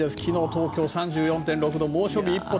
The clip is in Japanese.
東京、３４．６度猛暑日一歩